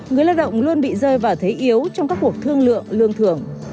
người lao động luôn bị rơi vào thế yếu trong các cuộc thương lượng lương thưởng